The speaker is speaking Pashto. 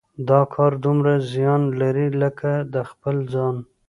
دا کار دومره زیان لري لکه د خپل ځان.